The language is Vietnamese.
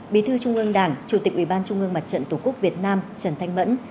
bí thư trung ương đảng chủ tịch ủy ban trung ương mặt trận tổ quốc việt nam trần thanh mẫn